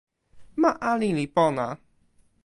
ma ali li pona.